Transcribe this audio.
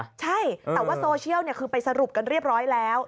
ใช่แต่ว่าโซเชียลคือไปสรุปกันเรียบร้อยแล้ว